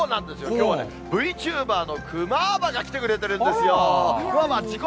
きょうはね、Ｖチューバーのクマーバが来てくれてるんですよ。